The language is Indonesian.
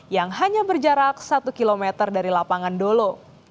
yang hanya berjarak satu km dari lapangan dolo